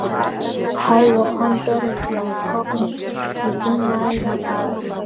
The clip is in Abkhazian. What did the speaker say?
Ҳаи, уахантәаракгьы схаҟны изымааиуази.